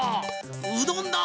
うどんだ！